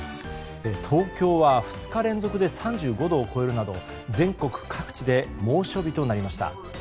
東京は２日連続で３５度を超えるなど全国各地で猛暑日となりました。